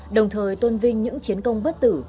đồng thời tôn vinh những chiến công bất tử